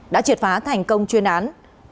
đã triệt phá thành công chuyên án